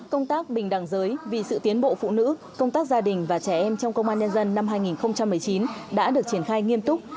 công tác bình đẳng giới vì sự tiến bộ phụ nữ công tác gia đình và trẻ em trong công an nhân dân năm hai nghìn một mươi chín đã được triển khai nghiêm túc